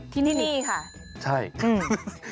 ที่นี่ค่ะใช่อืม